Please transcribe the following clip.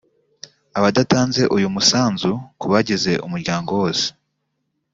abadatanze uyu musanzu ku bagize umuryango wose